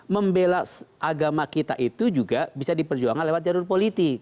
membela agama kita itu juga bisa diperjuangkan lewat jalur politik